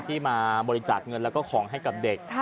ที่มาบริจาคเงินแล้วก็ของให้กับเด็ก